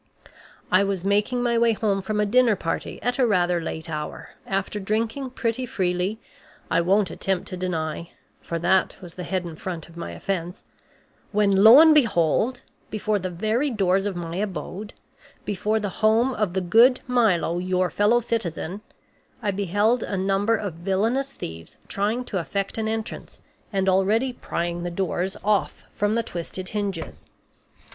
"I was making my way home from a dinner party at a rather late hour, after drinking pretty freely, I won't attempt to deny for that was the head and front of my offense when, lo and behold! before the very doors of my abode, before the home of the good Milo, your fellow citizen, I beheld a number of villainous thieves trying to effect an entrance and already prying the doors off from the twisted hinges.